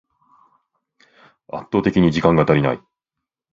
圧倒的に時間が足りない